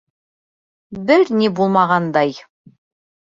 Бер ни булмағандай.